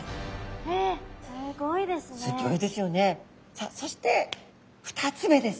さあそして２つ目です。